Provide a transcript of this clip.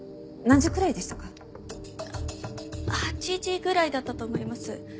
８時ぐらいだったと思います。